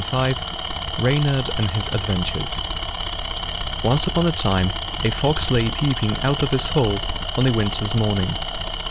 _<• REYNARD AND HIS ADVENTURES O NCE upon a time a fox lay peeping out of his hole on a winter's morning.